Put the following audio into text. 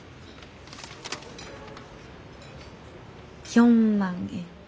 ４万円。